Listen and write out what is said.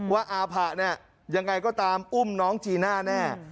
อาผะเนี่ยยังไงก็ตามอุ้มน้องจีน่าแน่